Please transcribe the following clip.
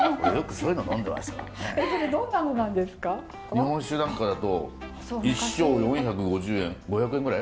日本酒なんかだと一升４５０円５００円ぐらい？